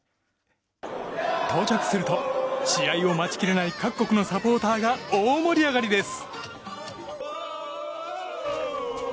到着すると、試合を待ちきれない各国のサポーターが大盛り上がりです。